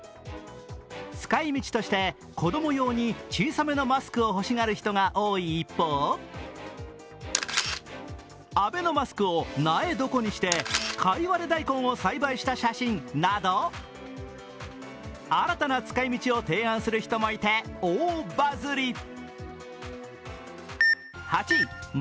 使い道として、子供用に小さめのマスクを欲しがる人が多い一方アベノマスクを苗床にしてカイワレ大根を栽培した写真など、新たな使い道を提案する人もいて、大バズり。